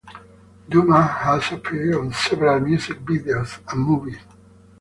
Duma has appeared on several music videos and movies.